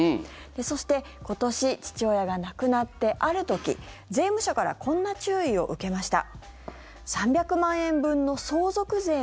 そして今年、父親が亡くなってある時、税務署からこんな注意を受けました。